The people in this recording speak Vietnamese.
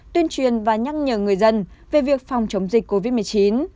tuyên truyền và nhắc nhở người dân về việc phòng chống dịch covid một mươi chín